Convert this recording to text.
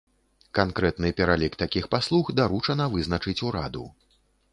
Канкрэтны пералік такіх паслуг даручана вызначыць ураду.